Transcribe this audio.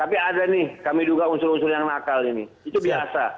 tapi ada nih kami duga unsur unsur yang nakal ini itu biasa